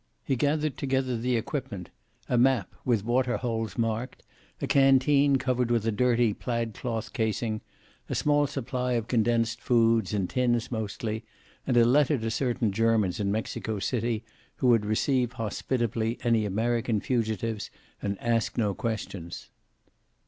He gathered together the equipment, a map with water holes marked, a canteen covered with a dirty plaid cloth casing, a small supply of condensed foods, in tins mostly, and a letter to certain Germans in Mexico City who would receive hospitably any American fugitives and ask no questions.